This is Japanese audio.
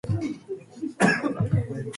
新宿で寝る人